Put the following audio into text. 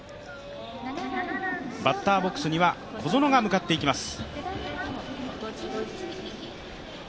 バッターボックスには小園が向かっていきます。